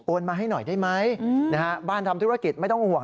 มาให้หน่อยได้ไหมบ้านทำธุรกิจไม่ต้องห่วง